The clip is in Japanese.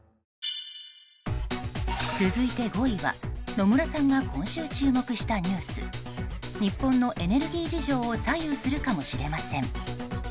続いて５位は、野村さんが今週注目したニュース。日本のエネルギー事情を左右するかもしれません。